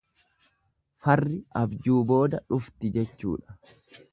Farri abjuu booda dhufti jechuudha.